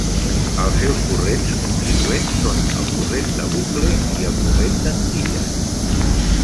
Els seus corrents contribuents són el Corrent de Bucle i el Corrent d'Antilles.